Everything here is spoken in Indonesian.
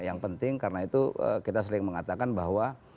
yang penting karena itu kita sering mengatakan bahwa